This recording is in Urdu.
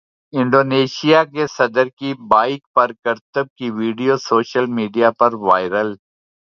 انڈونیشیا کے صدر کی بائیک پر کرتب کی ویڈیو سوشل میڈیا پر وائرل